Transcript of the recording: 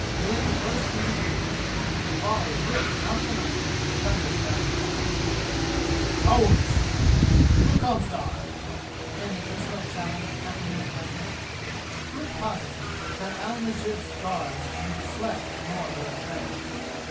Din burst into being. A volley ripped out of the night and thundered down the Pass. "How utt! Hukkums dar?" came the insolent challenge half a minute after it the proof positive that Ali Masjid's guards neither slept nor were afraid.